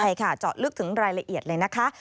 ใช่ค่ะเจาะลึกถึงรายละเอียดเลยนะคะ